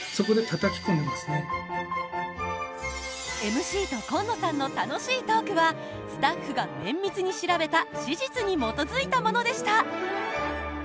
ＭＣと今野さんの楽しいトークはスタッフが綿密に調べた史実に基づいたものでした。